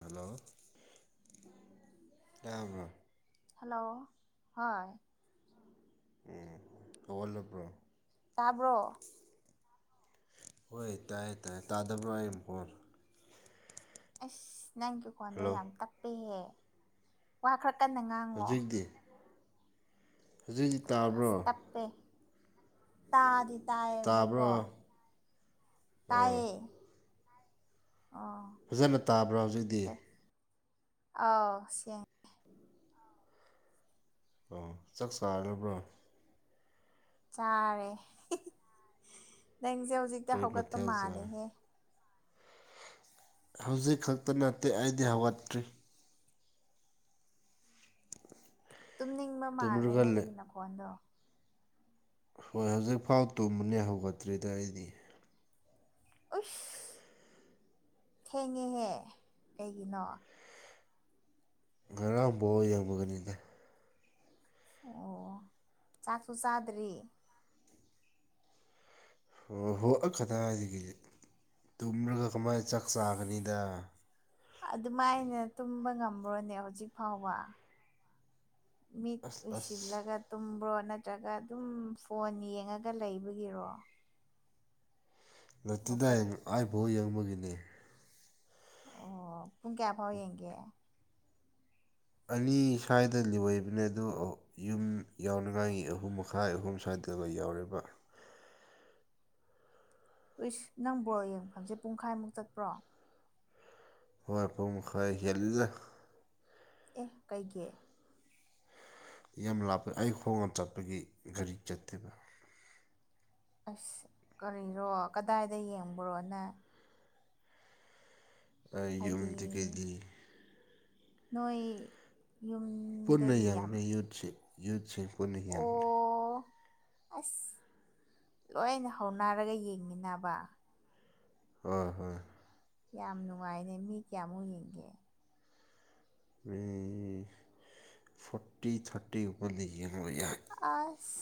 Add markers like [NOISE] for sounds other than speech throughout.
Hello, ꯇꯥꯕ꯭ꯔꯣ? Hello ꯑꯥ ꯑꯣꯝ ꯇꯧꯒꯜꯂꯕ꯭ꯔꯣ ꯇꯥꯕ꯭ꯔꯣ ꯍꯣꯏ ꯇꯥꯏꯌꯦ ꯇꯥꯏꯌꯦ ꯇꯥꯗꯕ꯭ꯔꯣ ꯑꯩ ꯐꯣꯟ ꯑꯁ ꯅꯪꯒꯤ ꯈꯣꯟꯗꯣ ꯍꯜꯂꯣ ꯌꯥꯝ ꯇꯞꯄꯦꯍꯦ ꯋꯥ ꯈꯔ ꯀꯟꯅ ꯉꯥꯡ ꯍꯧꯖꯤꯛꯇꯤ ꯍꯧꯖꯤꯛꯇꯤ ꯇꯥꯕ꯭ꯔꯣ ꯑꯁ ꯇꯞꯄꯦ ꯇꯥꯗꯤ ꯇꯥꯕ꯭ꯔꯣ ꯇꯥꯏꯌꯦꯕꯀꯣ ꯑꯥ ꯇꯥꯏꯌꯦ ꯑꯣ ꯐꯖꯅ ꯇꯥꯕ꯭ꯔꯥ ꯍꯧꯖꯤꯛꯗꯤ ꯑꯥꯎ ꯁꯤꯡ ꯑꯣ ꯆꯥꯛ ꯆꯥꯔꯕ꯭ꯔꯣ ꯆꯥꯔꯦ ꯅꯪꯁꯦ ꯍꯧꯖꯤꯛꯇ ꯀꯔꯤ ꯍꯧꯒꯠꯄ ꯃꯊꯦꯜ ꯆꯥꯔꯦ ꯃꯥꯜꯂꯦꯍꯦ ꯍꯧꯖꯤꯛ ꯈꯛꯇ ꯅꯠꯇꯦ ꯑꯩꯗꯤ ꯍꯧꯒꯠꯇ꯭ꯔꯤ ꯇꯨꯝꯅꯤꯡꯕ ꯃꯥꯜꯂꯦ ꯇꯨꯝꯔꯒ ꯂꯩ ꯅꯪꯒꯤ ꯅꯈꯣꯟꯗꯣ ꯍꯣꯏ ꯍꯧꯖꯤꯛꯐꯥꯎ ꯇꯨꯝꯕꯅꯦ ꯍꯧꯒꯠꯇ꯭ꯔꯤꯗ ꯑꯩꯗꯤ ꯎꯁ ꯊꯦꯡꯉꯦꯍꯦ ꯀꯩꯒꯤꯅꯣ ꯉꯔꯥꯡ ꯕꯣꯜ ꯌꯦꯡꯕꯒꯅꯤꯅꯦ ꯑꯣ ꯆꯥꯛꯁꯨ ꯆꯥꯗ꯭ꯔꯤ ꯍꯣꯏ ꯍꯣꯏꯑ ꯈꯗꯥꯁꯤꯗꯒꯤ ꯇꯨꯝꯂꯒ ꯀꯃꯥꯏꯅ ꯆꯥꯛ ꯑꯁ ꯆꯥꯒꯅꯤꯗ ꯑꯗꯨꯃꯥꯏꯅ ꯇꯨꯝꯕ ꯉꯝꯕ꯭ꯔꯣꯅꯦ ꯍꯧꯖꯤꯛ ꯐꯥꯎꯕ ꯃꯤꯠ ꯑꯁ ꯑꯁ ꯎꯏꯁꯤꯜꯂꯒꯠ ꯇꯨꯝꯕ꯭ꯔꯣ ꯅꯠꯇ꯭ꯔꯒ ꯑꯗꯨꯝ ꯐꯣꯟ ꯌꯦꯡꯉꯒ ꯂꯩꯕꯒꯤꯔꯣ ꯅꯠꯇꯦꯗꯥ ꯍꯧꯀꯠ ꯑꯩꯥꯏꯐꯥꯎ ꯌꯦꯡꯕꯒꯤꯅꯤ ꯑꯣ ꯄꯨꯡ ꯀꯌꯥꯐꯥꯎ ꯌꯦꯡꯒꯦ ꯑꯅꯤ ꯁ꯭ꯋꯥꯏꯗ ꯑꯣꯏꯕꯅꯦ ꯑꯗꯣ ꯌꯨꯝ ꯌꯥꯎꯅꯉꯥꯏꯒꯤ ꯑꯍꯨꯝ ꯃꯈꯥꯏ ꯑꯍꯨꯝ ꯁ꯭ꯋꯥꯏꯗꯒ ꯌꯥꯎꯔꯦꯔꯤꯕ ꯎꯏꯁ ꯅꯪ ꯕꯣꯜ ꯌꯦꯡꯐꯝꯁꯦ ꯄꯨꯡꯈꯥꯏꯃꯨꯛ ꯆꯠꯄ꯭ꯔꯣ ꯍꯣꯏ ꯄꯨꯡ ꯃꯈ ꯃꯈꯔ ꯍꯦꯜꯂꯦꯗ ꯑꯦ ꯀꯩꯒꯤ ꯌꯥꯝ ꯂꯥꯞꯄ ꯑꯩ ꯍꯣꯡꯅ ꯆꯠꯄꯒꯤ ꯒꯥꯔꯤ ꯆꯠꯇꯦꯕ ꯑꯁ ꯀꯔꯤꯅꯣ ꯀꯗꯥꯏꯗ ꯌꯦꯡꯕ꯭ꯔꯣ ꯅꯪ ꯕꯏ ꯍꯥꯏꯗꯤ ꯌꯤꯔꯨꯝꯗꯤ ꯀꯩꯗꯤ ꯅꯣꯏ ꯌꯨꯝ ꯄꯨꯟꯅ ꯌꯦꯡꯕꯅꯤ ꯌꯨꯠꯁ ꯌꯨꯠꯁꯤꯡ ꯄꯨꯟꯅ ꯌꯦꯡꯕꯅꯤ ꯑꯣ ꯑꯁ ꯂꯣꯏꯅ ꯍꯧꯅꯔꯒ ꯌꯦꯡꯃꯤꯅꯕ ꯍꯣꯏ ꯍꯣꯏ ꯌꯥꯝ ꯅꯨꯡꯉꯥꯏꯅꯦ ꯃꯤ ꯀꯌꯥꯃꯨꯛ ꯌꯦꯡꯒꯦ ꯃꯤ ꯐꯣꯔꯇꯤ ꯊꯔꯇꯤꯕ ꯂꯩꯅ ꯃ ꯑꯁ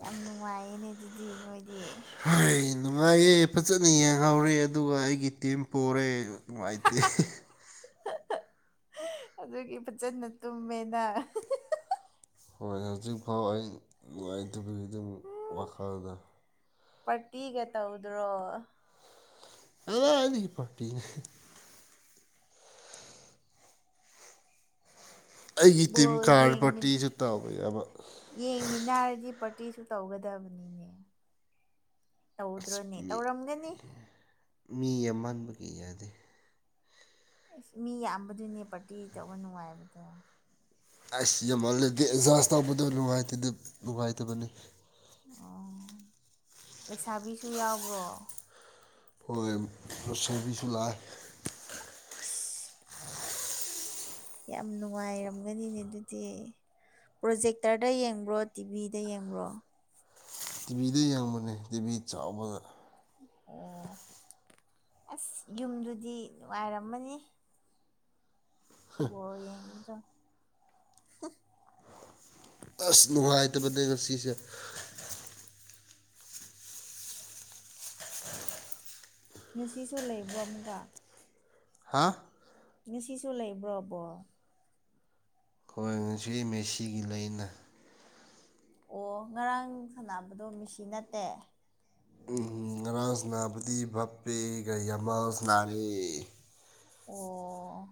ꯌꯥꯝ ꯅꯨꯡꯉꯥꯏꯌꯦꯅꯦ ꯑꯗꯨꯗꯤ ꯅꯣꯏꯗꯤ ꯍꯣꯏ ꯅꯨꯡꯉꯥꯏꯌꯦ ꯐꯖꯅ ꯌꯦꯡꯍꯧꯔꯦ ꯑꯗꯨꯒ ꯑꯩꯒꯤ ꯇꯤꯝ ꯄꯣꯔꯦ ꯅꯨꯡꯉꯥꯏꯇꯦ ꯑꯗꯨꯒꯤ ꯐꯖꯅ ꯇꯨꯝꯃꯦꯅ ꯍꯣꯏ ꯍꯧꯖꯤꯛꯐꯥꯎ ꯑꯩ ꯅꯨꯡꯉꯥꯏꯇꯕꯒꯤ ꯗꯨꯝ ꯋꯥꯈꯜꯗ ꯄ꯭ꯔꯇꯤꯒ ꯇꯧꯗ꯭ꯔꯣ ꯑꯂꯥꯏꯕꯤꯒꯤ ꯄꯥꯔꯇꯤꯅꯦ ꯑꯩꯒꯤ ꯇꯤꯝ ꯕꯣꯜ ꯀꯥꯔ ꯌꯦꯡꯃꯤꯟ ꯄꯥꯔꯇꯤꯁꯨ ꯇꯧꯕ ꯌꯥꯕ ꯌꯦꯡꯃꯤꯟꯅꯔꯗꯤ ꯄꯥꯔꯇꯤ ꯁꯨ ꯇꯧꯒꯗꯕꯅꯤꯅꯦ ꯑꯁ ꯇꯧꯗ꯭ꯔꯣꯅꯦ ꯃꯤ ꯇꯧꯔꯝꯒꯅꯤ ꯃꯤ ꯑꯃ ꯃꯥꯟꯕꯒꯤ ꯌꯥꯗꯦ ꯑꯁ ꯃꯤ ꯌꯥꯝꯕꯗꯨꯅꯦ ꯄꯥꯔꯇꯤ ꯇꯧꯕ ꯅꯨꯡꯉꯥꯏꯕꯗꯣ ꯑꯁ ꯌꯨꯝ ꯍꯟꯂꯗꯤ ꯔꯤꯆꯥꯔꯁ ꯇꯧꯕꯗꯨ ꯅꯨꯡꯉꯥꯏꯇꯦꯗ ꯅꯨꯡꯉꯥꯏꯇꯕꯅꯤ꯫ ꯑꯣ ꯂꯩꯁꯥꯕꯤꯁꯨ ꯌꯥꯎꯕ꯭ꯔꯣ ꯍꯣꯏ ꯁꯔꯕꯤꯁꯨ ꯂꯥꯛꯑꯦ [INAUDIBLE] [INAUDIBLE] ꯌꯥꯝ ꯅꯨꯡꯉꯥꯏꯔꯝꯒꯅꯤꯅꯦ ꯗꯨꯗꯤ ꯄ꯭ꯔꯣꯖꯦꯛꯇꯔꯗ ꯌꯦꯡꯕ꯭ꯔꯣ ꯇꯤꯚꯤꯗ ꯌꯦꯡꯕ꯭ꯔꯣ ꯇꯤꯚꯤꯗ ꯌꯦꯡꯕꯅꯦ ꯇꯤꯚꯤ ꯆꯥꯎꯕꯗ ꯑꯣ ꯑꯁ ꯌꯨꯝꯗꯨꯗꯤ ꯅꯨꯡꯉꯥꯏꯔꯝꯃꯅꯤ ꯕꯣꯜ ꯌꯦꯡꯗꯦꯗ ꯑꯁ ꯅꯨꯡꯉꯥꯏꯇꯕꯅꯦ ꯉꯁꯤꯁꯦ ꯉꯁꯤꯁꯨ ꯂꯩꯕ꯭ꯔꯣ ꯑꯃꯨꯛꯀ ꯍꯥꯥ ꯉꯁꯤꯁꯨ ꯂꯩꯕ꯭ꯔꯣ ꯕꯣꯜ ꯍꯣꯏ ꯉꯁꯤꯗꯤ ꯃꯦꯁꯤꯒꯤ ꯂꯩꯅ ꯑꯣ ꯉꯔꯥꯡ ꯁꯥꯟꯅꯕꯗꯣ ꯃꯤꯁꯤ ꯅꯠꯇꯦ ꯎꯝ ꯉꯔꯥꯡꯥ ꯁꯅꯕꯗꯤ ꯚꯞꯄꯤ ꯀꯌꯥꯃꯁ ꯅꯥꯔꯦ ꯑꯣ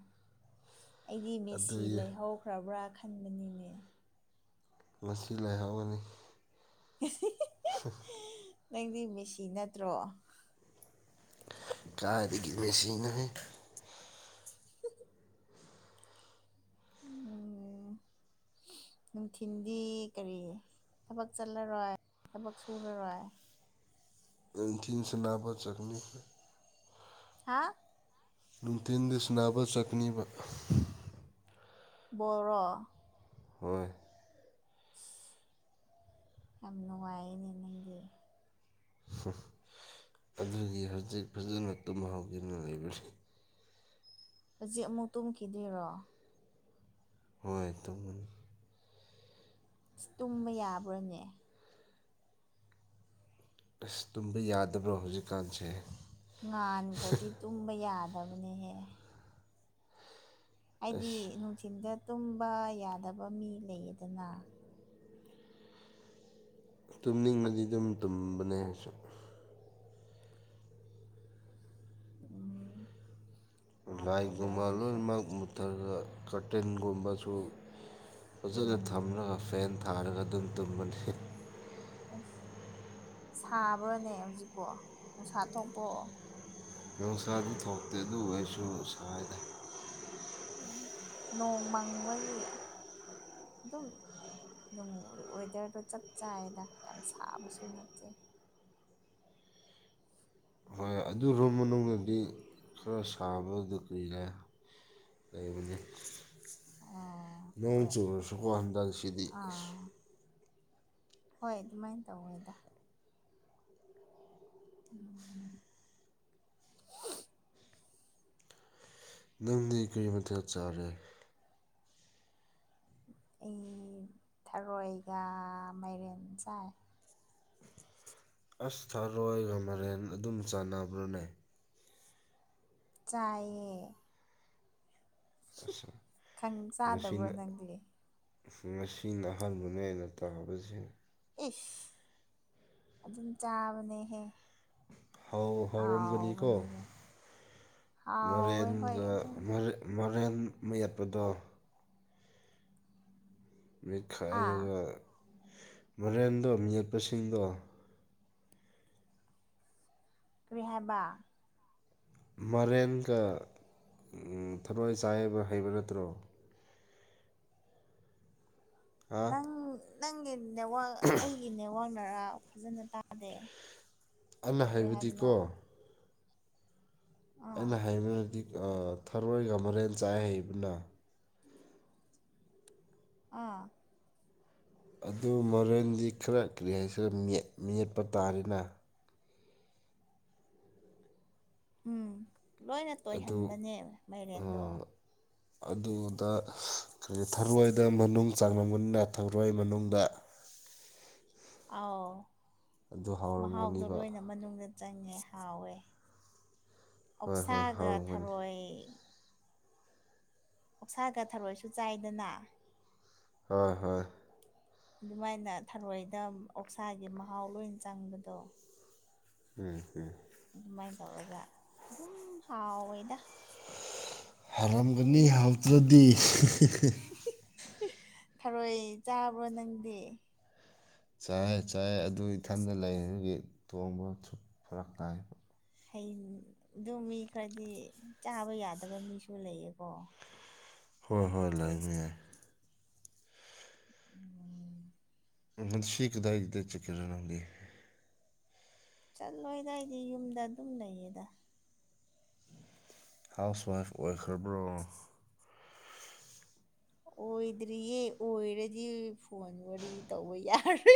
ꯑꯩꯗꯤ ꯃꯦꯁꯤ ꯑꯗꯨꯒꯤ ꯂꯩꯍꯧ ꯐ꯭ꯔꯕ꯭ꯔꯥ ꯈꯟꯕꯅꯤꯅꯦ ꯉꯁꯤ ꯂꯩꯥꯏꯍꯥꯎꯒꯅꯤ [INAUDIBLE] [INAUDIBLE] ꯅꯪꯗꯤ ꯃꯦꯁꯤ ꯅꯠꯇ꯭ꯔꯣ ꯀꯥꯏꯗꯒꯤ ꯃꯦꯁꯤꯅꯣꯍꯦ [INAUDIBLE] ꯎꯝ [INAUDIBLE] ꯅꯨꯡꯊꯤꯟꯗꯤ ꯀꯔꯤ ꯊꯕꯛ ꯆꯠꯂꯔꯣꯏ ꯊꯕꯛ ꯁꯨꯔꯔꯣꯏ ꯅꯨꯡꯊꯤꯟ ꯁꯥꯅꯕ ꯆꯠꯅꯤ ꯍꯥ ꯅꯨꯡꯊꯤꯟꯗ ꯁꯥꯅꯕ ꯆꯠꯅꯤꯕ ꯕꯣꯜꯔꯣ ꯍꯣꯏ ꯌꯥꯝ ꯅꯨꯡꯉꯥꯏꯌꯦꯅꯦ ꯅꯪꯗꯤ ꯑꯗꯨꯒꯤ ꯍꯧꯖꯤꯛ ꯐꯖꯅ ꯇꯨꯝꯍꯥꯎꯗꯅ ꯂꯩꯕꯅꯤ ꯍꯧꯖꯤꯛ ꯑꯃꯨꯛ ꯇꯨꯝꯈꯤꯗꯣꯏꯔꯣ ꯍꯣꯏ ꯑ ꯇꯨꯝꯕ ꯌꯥꯕ꯭ꯔꯥꯅꯦ ꯑꯁ ꯇꯨꯝꯕ ꯌꯥꯗꯕ꯭ꯔꯣ ꯍꯧꯖꯤꯛꯀꯥꯟꯁꯦ ꯉꯥꯟꯈ꯭ꯔꯗꯤ ꯇꯨꯝꯕ ꯌꯥꯗꯕꯅꯦꯍꯦꯍ ꯍꯥꯏꯗꯤ ꯑꯁ ꯅꯨꯡꯊꯤꯤꯟꯗ ꯇꯨꯝꯕ ꯌꯥꯗꯕ ꯃꯤ ꯂꯩꯌꯦꯗꯅ ꯇꯨꯝꯅꯤꯡꯉꯗꯤ ꯑꯗꯨꯝ ꯇꯨꯝꯕꯅꯦꯁꯨ ꯎꯝ ꯌꯥꯝ ꯐꯩꯌꯦ ꯂꯥꯏꯒꯨꯃꯥꯜꯣ ꯑꯗꯨꯁꯨ ꯃꯥ ꯅꯠꯇꯔꯒ ꯀꯇꯤꯟꯒꯨꯝꯕꯁꯨ ꯐꯖꯅ ꯎꯝ ꯊꯝꯂꯒ ꯐꯦꯟ ꯊꯥꯔꯒ ꯑꯗꯨꯝ ꯇꯨꯝꯕ ꯑꯁ ꯁꯥꯕ꯭ꯔꯥꯅꯦ ꯍꯧꯖꯤꯛꯄꯣ ꯅꯨꯡꯁꯥ ꯊꯣꯛꯄ꯭ꯔꯣꯑꯣ ꯌꯣꯡꯁꯥꯗꯤ ꯊꯣꯛꯇꯦ ꯑꯗꯨꯕꯨ ꯑꯩꯁꯨ ꯁꯉꯥꯏꯗ ꯑꯣ ꯅꯣꯡ ꯃꯪꯕꯒꯤ ꯑꯗꯨꯝ ꯅꯣꯡ ꯋꯦꯗꯔꯗꯣ ꯆꯞ ꯆꯥꯏꯗ ꯌꯥꯝ ꯁꯥꯕꯁꯨ ꯅꯞꯆꯩ ꯍꯣꯏ ꯑꯗꯨ ꯃꯅꯨꯡꯗꯗꯤ ꯈꯔ ꯁꯥꯕ ꯑꯗꯨ ꯀꯨꯏꯔꯦ ꯂꯩꯕꯅꯤ ꯑꯣ ꯅꯣꯡ ꯍꯣꯏ ꯆꯨꯨꯔꯁꯨꯀꯣ ꯍꯟꯗꯛꯁꯤꯗꯤ ꯑꯥ ꯍꯣꯏ ꯑꯗꯨꯃꯥꯏꯅ ꯇꯧꯋꯦꯗ ꯎꯝ ꯅꯪꯗꯤ ꯀꯔꯤ ꯃꯊꯦꯜ ꯆꯥꯔꯦ ꯑꯩ ꯊꯔꯣꯏꯒ ꯃꯥꯏꯔꯦꯟ ꯆꯥꯏ ꯑꯁ ꯊꯥꯔꯣꯏꯒ ꯃꯔꯦꯟ ꯑꯗꯨꯝ ꯆꯥꯟꯅꯕ꯭ꯔꯥꯅꯦ ꯆꯥꯏꯌꯦ ꯑꯁ ꯈꯪ ꯆꯥꯗꯕ꯭ꯔꯣ ꯉꯁꯤꯅ ꯅꯪꯗꯤ ꯉꯁꯤꯅ ꯑꯍꯥꯟꯕꯅꯦ ꯍꯦꯟꯅ ꯇꯥꯕꯁꯦ ꯏꯁ ꯑꯗꯨꯝ ꯆꯥꯕꯅꯦꯍꯦ ꯍꯥꯎꯔꯝꯒꯅꯤꯀꯣ ꯍꯥꯎꯕꯅꯦ ꯑꯗꯣ ꯍꯥꯎꯋꯦ ꯍꯣꯏ ꯃꯔꯦꯟꯒ ꯑꯗꯨꯝ ꯃꯔꯣꯔꯦꯟ ꯃꯌꯦꯠꯄꯗꯣ ꯍꯥ ꯃꯤꯠꯈꯥꯏꯔꯒ ꯃꯔꯦꯟꯗꯣ ꯃꯤꯠꯄꯁꯤꯡꯗꯣ ꯀꯔꯤ ꯍꯥꯏꯕ ꯃꯔꯦꯟꯒ ꯊꯔꯣꯏꯏ ꯆꯥꯏꯕ ꯍꯩꯕ ꯅꯠꯇ꯭ꯔꯣ ꯍꯥ ꯅꯪ ꯅꯪꯒꯤ ꯅꯋꯥꯛ ꯑꯩꯒꯤ ꯅꯦꯠꯋꯥꯛꯅꯔꯥ ꯐꯖꯅ ꯇꯥꯗꯦ ꯑꯂ ꯀꯔꯤ ꯍꯥꯏꯕꯗꯤꯀꯣ ꯍꯥꯏꯕꯅꯣ ꯑꯥ ꯑꯩꯅ ꯍꯕꯗꯗꯤ ꯊꯔꯣꯏꯒ ꯃꯔꯦꯟ ꯆꯥꯏ ꯍꯩꯕꯅ ꯑꯥ ꯑꯗꯨ ꯃꯔꯦꯟꯗꯤ ꯈꯔ ꯀꯔꯤ ꯍꯥꯏꯁꯤꯔꯠ ꯃꯦꯠꯄ ꯇꯥꯔꯦꯅ ꯎꯝ ꯂꯣꯏꯅ ꯑꯗꯨ ꯇꯣꯏꯍꯟꯕꯅꯦꯕ ꯃꯥꯏꯔꯦꯟꯗꯣ ꯑꯗꯨꯗ ꯀꯔꯤ ꯊꯔꯣꯏꯗ ꯃꯅꯨꯡ ꯆꯥꯡꯂꯝꯕꯅꯤꯅ ꯊꯔꯣꯏ ꯃꯅꯨꯡꯗ ꯑꯥꯎ ꯑꯗꯨ ꯃꯍꯥꯎꯗꯣ ꯍꯥꯎꯔꯝꯒꯅꯤꯕ ꯂꯣꯏꯅ ꯃꯅꯨꯡꯗ ꯆꯪꯉꯦ ꯍꯥꯎꯋꯦ ꯍꯣꯏ ꯍꯣꯏ ꯑꯣꯛꯁꯥꯒ ꯍꯥꯎꯔꯝꯒꯅꯤ ꯊꯔꯣꯏ ꯑꯣꯛꯁꯥꯒ ꯊꯔꯣꯏꯁꯨ ꯆꯥꯏꯗꯅ ꯍꯣꯏ ꯍꯣꯏ ꯑꯗꯨꯃꯥꯏꯅ ꯊꯔꯣꯏꯗ ꯑꯣꯛꯁꯥꯒꯤ ꯃꯍꯥꯎ ꯂꯣꯏ ꯆꯪꯕꯗꯣ ꯎꯝ ꯎꯝ ꯑꯗꯨꯃꯥꯏꯅ ꯇꯧꯔꯒ ꯑꯗꯨꯝ ꯍꯥꯎꯋꯦꯗ ꯍꯥꯔꯝꯒꯅꯤ ꯈꯪꯗꯦ ꯍꯧꯥꯎꯗ꯭ꯔꯗꯤ ꯊꯔꯣꯏ ꯆꯥꯕꯣ ꯅꯪꯗꯤ ꯆ ꯆꯥꯏ ꯑꯗꯨ ꯏꯊꯟꯗ ꯂꯩ ꯑꯗꯨꯒꯤ ꯇꯣꯡꯕꯁꯨ ꯐꯔꯛ ꯇꯥꯏꯕ ꯍꯌꯦꯡ ꯑꯗꯨ ꯃꯤ ꯈꯔꯗꯤ ꯆꯥꯕ ꯌꯥꯗꯕ ꯃꯤꯁꯨ ꯂꯩꯌꯦꯀꯣ ꯍꯣꯏ ꯍꯣꯏ ꯂꯥꯛꯅꯤ ꯑꯗꯨꯒꯤ ꯌꯥꯏ ꯎꯝ ꯃꯁꯤ ꯀꯗꯥꯏꯗ ꯆꯀꯤꯔ ꯅꯪꯗꯤ ꯆꯠꯂꯣꯏꯗꯏꯗꯤ ꯌꯨꯝꯗ ꯑꯗꯨꯝ ꯂꯩꯌꯦꯗ ꯍꯥꯎꯁ ꯋꯥꯏꯐ ꯑꯣꯏꯈ꯭ꯔꯕ꯭ꯔꯣ ꯑꯣꯏꯗ꯭ꯔꯤꯌꯦ ꯑꯣꯏꯔꯗꯤ ꯐꯣꯟ ꯋꯥꯔꯤ ꯇꯧꯕ ꯌꯥꯔꯦ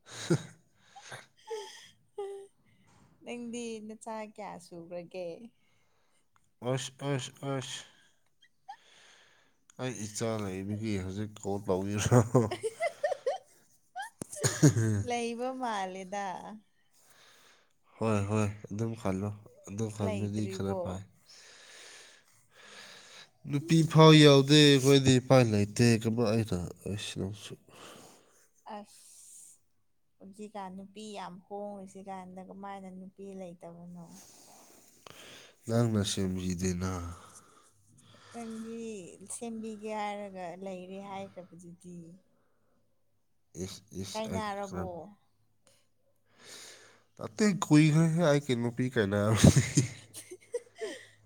[UNINTELLIGIBLE] ꯅꯪꯗꯤ ꯅꯆꯥ ꯀꯌꯥ ꯁꯨꯈꯒꯦ ꯑꯁ ꯑꯁ ꯑꯣꯏꯁ ꯑꯩ ꯏꯆꯥ ꯂꯩꯕꯒꯤ ꯍꯧꯖꯤꯛ ꯀꯣꯜ ꯇꯧꯕꯕ꯭ꯔꯣ [UNINTELLIGIBLE] ꯎꯝ ꯩꯕ ꯃꯥꯂꯦꯗꯥ ꯍꯣꯏ ꯍꯣꯏ ꯑꯗꯨꯝ ꯈꯜꯂꯣ ꯑꯗꯨꯝ ꯈꯜꯕꯗꯤ ꯈꯔ ꯂꯩꯇ꯭ꯔꯤꯕꯣ ꯐꯥꯏ ꯅꯨꯄꯤ ꯐꯥꯎ ꯌꯥꯎꯗꯦ ꯑꯩꯈꯣꯏꯗꯤ ꯏꯄꯥꯏ ꯂꯩꯇꯦ ꯀꯃꯥꯏ ꯍꯥꯏꯅ ꯑꯩꯁꯤꯅ ꯑꯃꯛꯁꯨ ꯑꯐ ꯄꯨꯟꯁꯤ ꯀꯥꯟ ꯅꯨꯄꯤ ꯌꯥꯝ ꯍꯣꯡꯉꯤꯁꯤ ꯀꯥꯟꯗ ꯀꯃꯥꯏꯅ ꯅꯨꯄꯤ ꯂꯩꯇꯕꯅꯣ ꯅꯪꯅ ꯁꯦꯝꯕꯤꯗꯦꯅ ꯅꯪꯗꯤ ꯁꯦꯝꯕꯤꯒꯦ ꯍꯥꯏꯔꯒ ꯂꯩꯔꯦ ꯍꯥꯏꯈ꯭ꯔꯕꯗꯨꯗꯤ꯫ ꯏꯁ ꯏꯁ ꯑꯩꯗꯤ ꯀꯥꯏꯅꯔꯕꯣ ꯀꯔꯝ ꯑꯇꯩ ꯀꯨꯏꯈꯔꯦꯍꯦ ꯑꯩꯒꯤ ꯅꯨꯄꯤ ꯀꯥꯏꯅꯕꯗꯤ꯫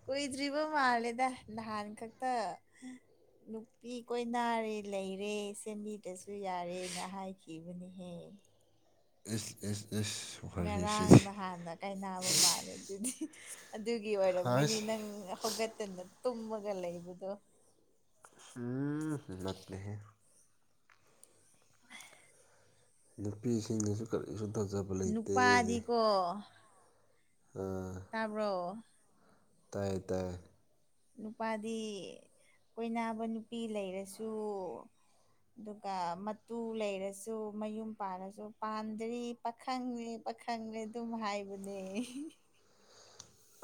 ꯀꯨꯏꯗ꯭ꯔꯤꯕ ꯃꯥꯜꯂꯦꯗ ꯅꯍꯥꯟ ꯈꯛꯇ ꯅꯨꯄꯤ ꯀꯣꯏꯅꯥꯔꯦ ꯂꯩꯔꯦ ꯁꯦꯝꯕꯤꯗꯁꯨ ꯌꯥꯔꯦꯅ ꯍꯥꯏꯈꯤꯕꯅꯤꯍꯦ꯫ ꯏꯁ ꯏꯁ ꯏꯁ꯫ ꯉꯔꯥꯡ ꯋꯥꯔꯤꯁꯤꯗꯤ ꯍꯥꯟꯅ ꯀꯥꯏꯅꯕ ꯃꯥꯜꯂꯦ ꯑꯗꯨꯗꯤ꯫ ꯑꯗꯨꯒꯤ ꯑꯣꯏꯔꯝꯒꯅꯤ ꯍꯥꯏꯁ ꯅꯪ ꯍꯧꯒꯠꯇꯅ ꯇꯨꯝꯃꯒ ꯂꯩꯕꯗꯣ꯫ ꯎꯝ ꯅꯥꯠꯇꯦꯍꯦ꯫ ꯅꯨꯄꯤꯁꯤꯡꯅꯁꯨ ꯀꯔꯤꯁꯨꯨꯝ ꯇꯧꯖꯕ ꯂꯩꯇꯦ꯫ ꯅꯨꯄꯥꯗꯤꯀꯣ ꯇꯥꯕ꯭ꯔꯣ꯫ ꯇꯥꯏꯌꯦ ꯇꯥꯏꯌꯦ꯫ ꯅꯨꯄꯥꯗꯤ ꯀꯣꯏꯕ ꯅꯨꯄꯤ ꯂꯩꯔꯁꯨ꯫ ꯑꯗꯨꯒ ꯃꯇꯨ ꯂꯩꯔꯁꯨ ꯃꯌꯨꯝ ꯄꯥꯜꯂꯁꯨ ꯄꯥꯟꯗ꯭ꯔꯤ꯫ ꯄꯥꯈꯪꯅꯤ ꯄꯥꯈꯪꯅꯤ ꯑꯗꯨꯝ ꯍꯥꯏꯕꯅꯦ꯫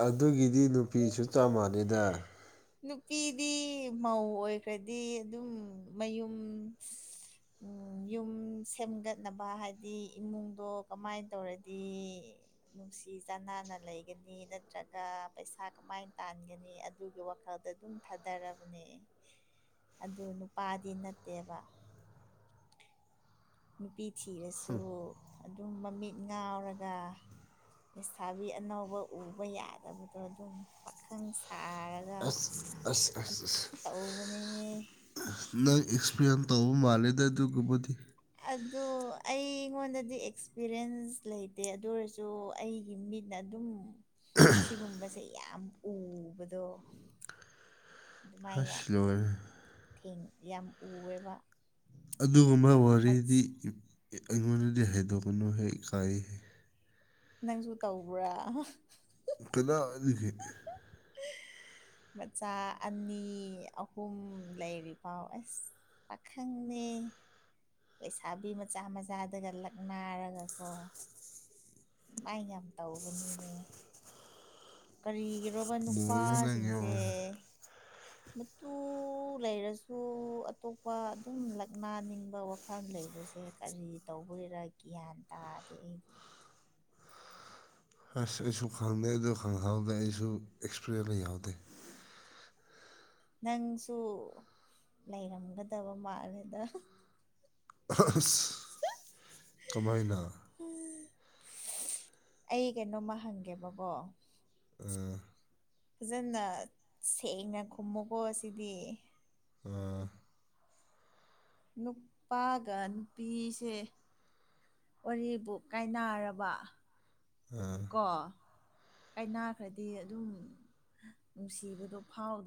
ꯑꯗꯨꯒꯤꯗꯤ ꯅꯨꯄꯤꯁꯨ ꯆꯞꯃꯥꯅꯩꯗ꯫ ꯅꯨꯄꯤꯗꯤ ꯃꯧ ꯑꯣꯏꯈ꯭ꯔꯗꯤ ꯑꯗꯨꯝ ꯃꯌꯨꯝ ꯌꯨꯝ ꯁꯦꯝꯒꯠꯅꯕ ꯍꯥꯏꯗꯤ ꯏꯃꯨꯡꯗꯣ ꯀꯃꯥꯏꯟ ꯇꯧꯔꯗꯤ꯫ ꯅꯨꯡꯁꯤ ꯆꯥꯟꯅꯅ ꯂꯩꯒꯅꯤ ꯅꯠꯇ꯭ꯔꯒ ꯄꯩꯁꯥ ꯀꯃꯥꯏꯅ ꯇꯥꯟꯒꯅꯤ꯫ ꯑꯗꯨꯒꯤ ꯋꯥꯈꯜꯗ ꯑꯗꯨꯝ ꯊꯥꯗꯔꯕꯅꯦ꫰꫰ ꯑꯗꯨ ꯅꯨꯄꯥꯗꯤ ꯅꯠꯇꯦꯕ꯫ ꯅꯨꯄꯤ ꯊꯤꯔꯁꯨ ꯑꯗꯨꯝ ꯃꯃꯤꯠ ꯉꯥꯎꯔꯒ ꯂꯩꯁꯥꯕꯤ ꯑꯅꯧꯕ ꯎꯕ ꯌꯥꯗꯕꯗꯣ ꯑꯗꯨꯝ ꯄꯥꯈꯪ ꯁꯥꯔꯒ ꯑꯁ ꯑꯁ ꯑꯁ ꯇꯧꯕꯅꯦꯍꯦ ꯅꯣꯏ ꯑꯦꯛꯁꯄꯔꯦꯟ ꯇꯧꯕ ꯃꯥꯜꯂꯦꯗ ꯑꯗꯨꯒꯨꯝꯕꯗꯤ꯫ ꯑꯗꯨ ꯑꯩꯉꯣꯟꯗꯗꯤ ꯑꯦꯛꯁꯄꯤꯔꯤꯟꯁ ꯂꯩꯇꯦ ꯑꯗꯨ ꯑꯣꯏꯔꯁꯨ ꯑꯩꯒꯤ ꯃꯤꯠ ꯅ ꯑꯗꯨꯝ ꯁꯤꯒꯨꯝꯕꯁꯦ ꯌꯥꯝ ꯎꯕꯗꯣ꯫ ꯑꯗꯨꯃꯥꯏꯅ ꯑꯁ ꯌꯥꯝ ꯂꯣꯏꯔꯦ ꯊꯦꯡ ꯌꯥꯝ ꯎꯋꯦꯕ꯫ ꯑꯗꯨꯒꯨꯝꯕ ꯋꯥꯔꯤꯗꯤ ꯑꯩꯉꯣꯟꯗꯗꯤ ꯍꯥꯏꯗꯣꯛꯀꯅꯨꯍꯦ ꯏꯀꯥꯏꯍꯦ꯫ ꯅꯪꯁꯨ ꯇꯧꯕ꯭ꯔꯥ꯫ ꯀꯅꯥꯗꯒꯤ꯫ [UNINTELLIGIBLE] ꯃꯆꯥ ꯑꯅꯤ ꯑꯍꯨꯝ ꯂꯩꯔꯤꯐꯥꯎ ꯑꯦꯁ꯫ ꯄꯥꯈꯪꯅꯦ꯫ ꯂꯩꯁꯥꯕꯤ ꯃꯆꯥ ꯃꯆꯥꯗꯒ ꯂꯛꯅꯔꯒꯀꯣ꯫ ꯃꯥꯏ ꯌꯥꯝ ꯇꯧꯕꯅꯤꯅꯦ꯫ ꯀꯔꯤꯒꯤꯔꯣꯕ ꯂꯣꯏꯔꯦ ꯅꯪꯒꯤ ꯅꯨꯄꯥꯁꯤꯡꯁꯦ꯫ ꯋꯥ ꯃꯇꯨ ꯂꯩꯔꯁꯨ ꯑꯇꯣꯞꯄ ꯑꯗꯨꯝ ꯂꯛꯅꯅꯤꯡꯕ ꯋꯥ ꯈꯥꯜ ꯂꯩꯕꯁꯦ ꯀꯔꯤ ꯇꯧꯕꯒꯤꯔ ꯒ꯭ꯌꯥꯟ ꯇꯥꯗꯦ ꯑꯩ꯫ ꯑꯁ ꯑꯩꯁꯨ ꯈꯪꯗꯦ ꯑꯗꯨ ꯈꯪꯍꯥꯎꯗ ꯑꯩꯁꯨ ꯑꯦꯛꯁꯄꯤꯔꯦꯜꯂꯤ ꯌꯥꯎꯗꯦ꯫ ꯅꯪꯁꯨ ꯂꯩꯔꯝꯒꯗꯕ ꯃꯥꯜꯂꯦꯗ꯫ ꯀꯃꯥꯏꯅ꯫ ꯑꯩ ꯀꯩꯅꯣꯝꯃ ꯍꯪꯒꯦꯕꯀꯣ꯫ ꯎꯝ꯫ ꯐꯖꯅ ꯁꯦꯡꯅ ꯈꯨꯝꯃꯨꯀꯣ ꯑꯁꯤꯗꯤ꫰꫰ ꯎꯝ꯫ ꯅꯨꯄꯥꯒ ꯅꯨꯄꯤꯁꯦ꯫ ꯋꯥꯔꯤꯕꯨ ꯀꯥꯏꯅꯔꯕ꯫ ꯑ꯫ ꯀꯣ ꯀꯥꯏꯅꯥꯈ꯭ꯔꯗꯤ ꯑꯗꯨꯝ ꯅꯨꯡꯁꯤꯕꯗꯣ ꯐꯥꯎ